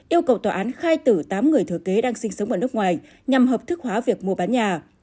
yêu cầu tòa án khai tử tám người thừa kế đang sinh sống ở nước ngoài nhằm hợp thức hóa việc mua bán nhà